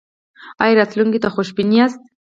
ایا راتلونکي ته خوشبین یاست؟